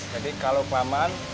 jadi kalau kelamaan